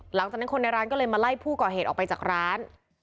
หลังจากนั้นคนในร้านก็เลยมาไล่ผู้ก่อเหตุออกไปจากร้าน